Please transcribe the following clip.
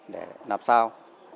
để làm sao